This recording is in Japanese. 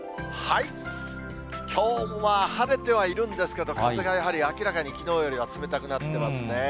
きょうは晴れてはいるんですけど、風がやはり明らかにきのうよりは冷たくなってますね。